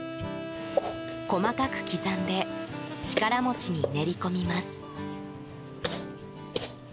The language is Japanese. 細かく刻んで力餅に練り込みます。